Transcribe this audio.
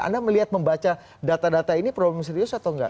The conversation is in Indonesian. anda melihat membaca data data ini problem serius atau enggak